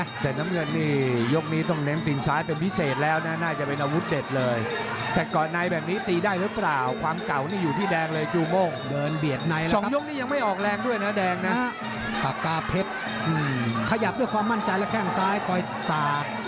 สอนหน้านี้นี่อรัวมัติขู่ลุ่นน้องมุมแดงที่เห็นแล้วครับสอนหน้านี้นี่อรัวมัติขู่ลุ่นน้องมุมแดงที่เห็นแล้วครับสอนหน้านี้นี่อรัวมัติขู่ลุ่นน้องมุมแดงที่เห็นแล้วครับสอนหน้านี้นี่อรัวมัติขู่ลุ่นน้องมุมแดงที่เห็นแล้วครับสอนหน้านี้นี่อรัวมัติขู่ลุ่นน้องมุมแดงที่เห็นแล้วครับส